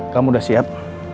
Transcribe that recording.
kamu udah siap